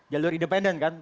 jalur independen kan